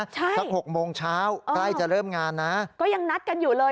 ใช่สักหกโมงเช้าใกล้จะเริ่มงานนะก็ยังนัดกันอยู่เลย